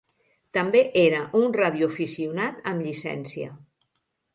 També era un radioaficionat amb llicència.